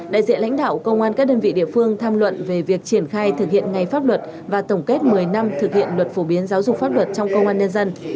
đại diện lãnh đạo công an các đơn vị địa phương tham luận về việc triển khai thực hiện ngày pháp luật và tổng kết một mươi năm thực hiện luật phổ biến giáo dục pháp luật trong công an nhân dân